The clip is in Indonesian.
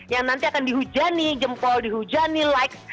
yang nanti akan dihujani jempol dihujani like